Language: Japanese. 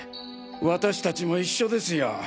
私たちも一緒ですよ。